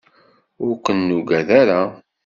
Ur ken-nuggad ara.